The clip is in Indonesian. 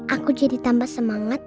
aku jadi tambah semangat